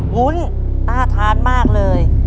วุ้นน่าทานมากเลย